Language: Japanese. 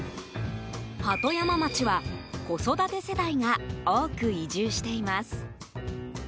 鳩山町は、子育て世帯が多く移住しています。